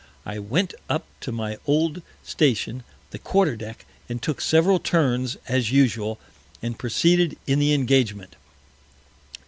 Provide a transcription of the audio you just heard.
I went up to my old Station the Quarter Deck, and took several Turns, as usual, and proceeded in the Engagement.